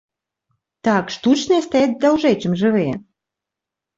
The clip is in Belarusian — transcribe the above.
Так, штучныя стаяць даўжэй, чым жывыя.